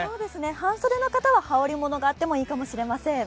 半袖の方は羽織り物があってもいいかもしれません。